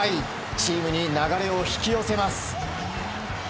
チームに流れを引き寄せます。